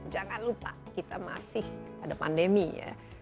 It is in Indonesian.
jangan lupa kita masih ada pandemi ya